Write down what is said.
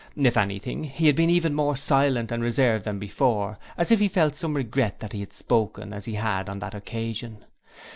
If anything, he had been even more silent and reserved than before, as if he felt some regret that he had spoken as he had on that occasion.